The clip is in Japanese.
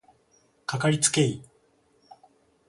かかりつけ医